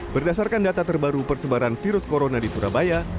berdasarkan data terbaru persebaran virus corona di surabaya